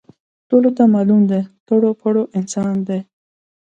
ټولو ته معلوم دی، ټرو پرو انسان دی.